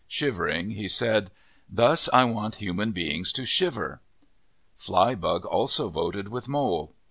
Shiver ing, he said, "Thus I want human beings to shiver." Flybug also voted with Mole.